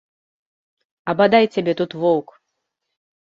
А бадай цябе тут воўк!